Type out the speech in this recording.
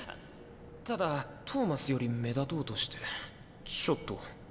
ただトーマスより目立とうとしてちょっと。